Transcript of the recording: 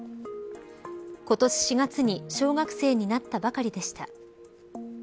今年４月に小学生になったばかりでした。